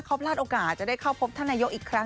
เขาพลาดโอกาสจะได้เข้าพบท่านนายกอีกครั้ง